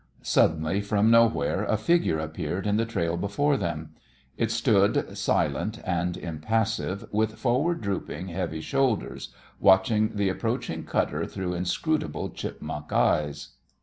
Suddenly from nowhere a figure appeared in the trail before them. It stood, silent and impassive, with forward drooping, heavy shoulders, watching the approaching cutter through inscrutable chipmunk eyes.